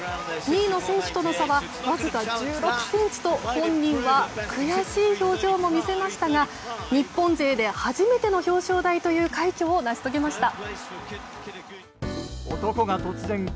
２位の選手との差はわずか１６ｃｍと本人は悔しい表情も見せましたが日本勢で初めての表彰台という快挙を成し遂げました。